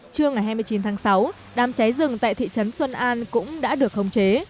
trưa ngày hai mươi chín tháng sáu đám cháy rừng tại thị trấn xuân an cũng đã được khống chế